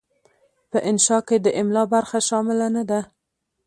په انشأ کې د املاء برخه شامله نه ده.